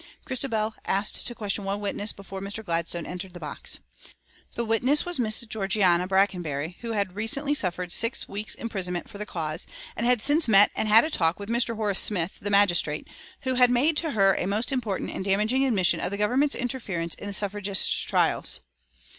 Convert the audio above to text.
Christabel asked to question one witness before Mr. Gladstone entered the box. The witness was Miss Georgiana Brackenbury, who had recently suffered six weeks' imprisonment for the cause, and had since met and had a talk with Mr. Horace Smith, the magistrate, who had made to her a most important and damaging admission of the government's interference in suffragists' trials.